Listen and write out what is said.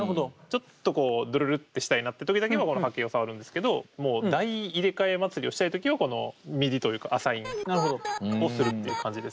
ちょっとこうドゥルルってしたいなって時だけはこの波形を触るんですけどもう大入れ替え祭りをしたい時はこのＭＩＤＩというかアサインをするっていう感じですね。